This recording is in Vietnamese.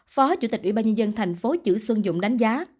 phó chủ tịch ủy ban nhân dân thành phố chữ xuân dũng đánh giá